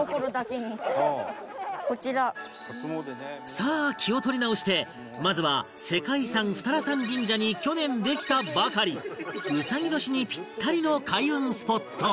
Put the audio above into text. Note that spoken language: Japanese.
さあ気を取り直してまずは世界遺産二荒山神社に去年できたばかり卯年にピッタリの開運スポットへ